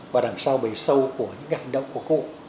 và đằng sau bầy sâu của những ngày đông của cụ